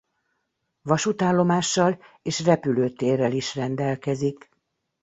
Vasútállomással és repülőtérrel is rendelkezik.